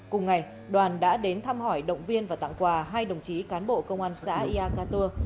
cùng ngày đoàn đã đến thăm hỏi động viên và tặng quà hai đồng chí cán bộ công an xã iacatur